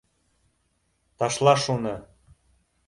—- Ташла шуны